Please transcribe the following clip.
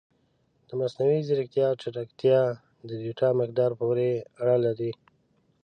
د مصنوعي ځیرکتیا چټکتیا د ډیټا مقدار پورې اړه لري.